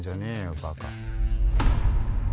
バカ。